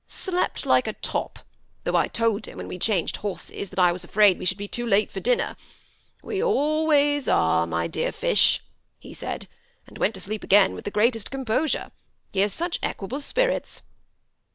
— slept like a top, though I told him when we changed horses that I was afraid we should he too late for dinner. <We always are, my dear Fish,' he said, and went to sleep again with the greatest composure. He has such equa ble spirits."